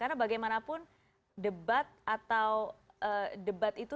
karena bagaimanapun debat atau debat itu